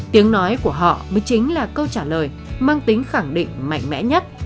tiếng nói của họ mới chính là câu trả lời mang tính khẳng định mạnh mẽ nhất